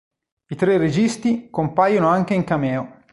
I tre registi compaiono anche in cameo.